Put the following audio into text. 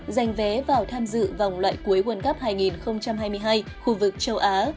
giành vé vào tham dự vòng loại cuối world cup hai nghìn hai mươi hai khu vực châu á